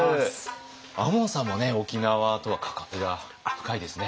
亞門さんも沖縄とは関わりが深いですね。